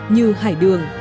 như hải đường